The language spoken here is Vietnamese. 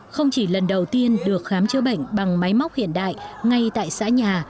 không chỉ lần đầu tiên được khám chữa bệnh bằng máy móc hiện đại ngay tại xã nhà